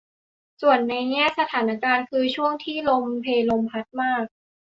ส่วนในแง่สถานการณ์คือช่วงที่ลมเพลมพัดมาก